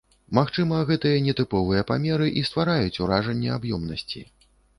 Магчыма, гэтыя нетыповыя памеры і ствараюць уражанне аб'ёмнасці.